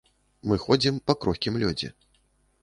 Мы ходзім па крохкім лёдзе.